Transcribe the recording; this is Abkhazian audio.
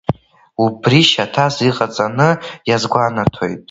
Убри шьаҭас иҟаҵаны иазгәанаҭоит…